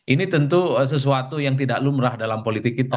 ini tentu sesuatu yang tidak lumrah dalam politik kita